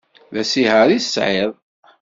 D asiher i tesεiḍ?